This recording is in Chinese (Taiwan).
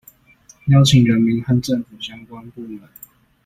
邀請人民和政府相關部門